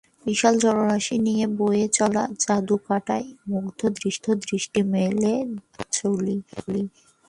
বিশাল জলরাশি নিয়ে বয়ে চলা জাদুকাটায় মুগ্ধ দৃষ্টি মেলে দেখে চলি।